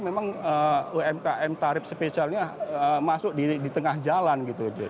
memang umkm tarif spesialnya masuk di tengah jalan gitu